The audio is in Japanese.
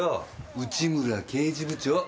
内村刑事部長。